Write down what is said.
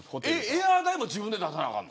エアー代も自分で出さなあかんの。